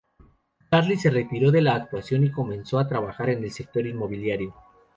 Charlie se retiró de la actuación y comenzó a trabajar en el sector inmobiliario.